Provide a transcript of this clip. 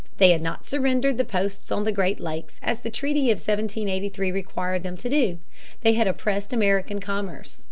They had not surrendered the posts on the Great Lakes, as the treaty of 1783 required them to do. They had oppressed American commerce.